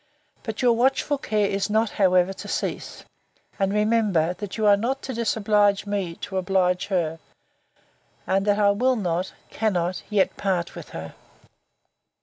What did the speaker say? But your watchful care is not, however, to cease: and remember that you are not to disoblige me, to oblige her; and that I will not, cannot, yet part with her.